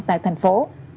tại thành phố